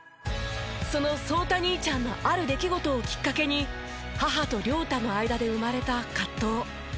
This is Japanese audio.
そのソータ兄ちゃんのある出来事をきっかけに母とリョータの間で生まれた葛藤。